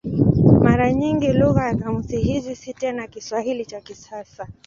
Mara nyingi lugha ya kamusi hizi si tena Kiswahili cha kisasa.